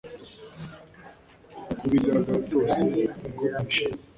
Kubigaragara byose, ni couple yishimye